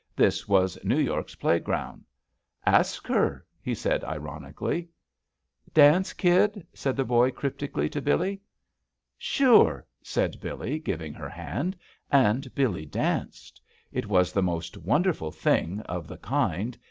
This was New York's playground. "Ask her," he said, ironically. ^ JUST SWEETHEARTS ^ "Dance, kid?" said the boy cryptically, to BiUee. '*Surel" said Billee, giving her hand. And Billee danced. It was the most wonderful thing, of the kind.